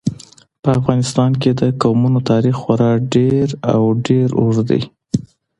په افغانستان کې د قومونه تاریخ خورا ډېر او ډېر اوږد دی.